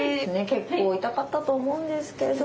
結構痛かったと思うんですけど。